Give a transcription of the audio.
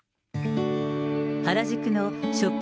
原宿のショップ